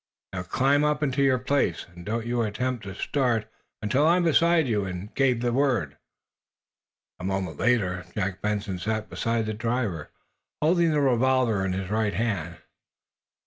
Now, climb up into your place, and don't you attempt to start until I'm beside you and give the word!" A moment later Jack Benson sat beside the driver, holding the revolver in his right hand.